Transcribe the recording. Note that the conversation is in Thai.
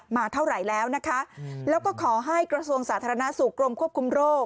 เท่าไหร่แล้วนะคะแล้วก็ขอให้กระทรวงสาธารณสุขกรมควบคุมโรค